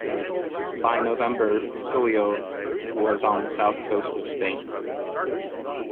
By November "Clio" was on the south coast of Spain.